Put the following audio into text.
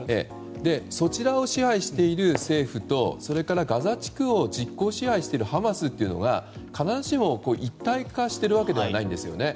そちらを支配している政府とそれからガザ地区を実効支配しているハマスというのは必ずしも一体化しているわけではないんですね。